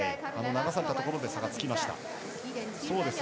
流されたところで差がつきました。